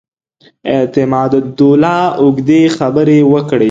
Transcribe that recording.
اعتماد الدوله اوږدې خبرې وکړې.